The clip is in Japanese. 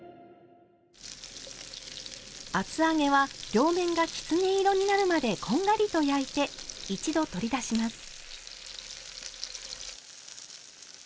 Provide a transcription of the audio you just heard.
厚揚げは両面がきつね色になるまでこんがりと焼いて一度取り出します。